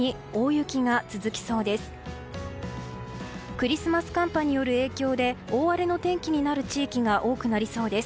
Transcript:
クリスマス寒波による影響で大荒れの天気になる地域が多くなりそうです。